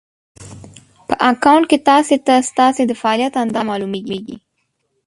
په اکونټ کې ناسې ته ستاسې د فعالیت اندازه مالومېږي